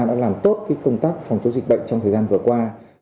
đã làm tốt công tác phòng chống dịch bệnh trong thời gian vừa qua